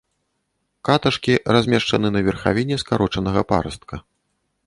Каташкі размешчаны на верхавіне скарочанага парастка.